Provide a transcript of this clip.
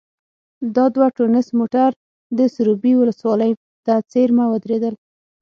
دا دوه ټونس موټر د سروبي ولسوالۍ ته څېرمه ودرېدل.